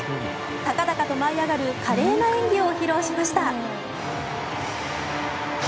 高々と舞い上がる華麗な演技を披露しました。